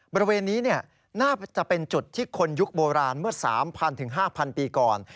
บริเวณนี้น่าจะเป็นจุดที่คนยุคโบราณเมื่อ๓๐๐๕๐๐ปีก่อน